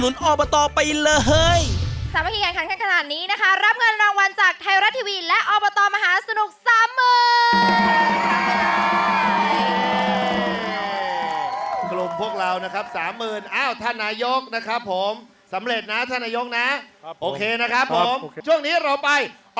เริ่มเลยค่ะ